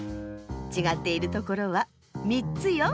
ちがっているところは３つよ。